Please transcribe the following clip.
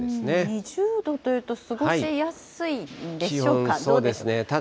２０度というと、過ごしやすいんでしょうか、どうでしょうか。